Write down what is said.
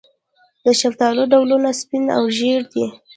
د شفتالو ډولونه سپین او ژیړ دي.